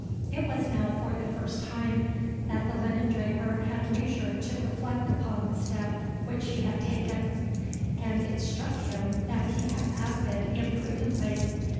It was now for the first time that the linen draper had leisure to reflect upon the step which he had taken; and it struck him that he had acted imprudently.